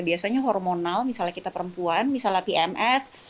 biasanya hormonal misalnya kita perempuan misalnya pms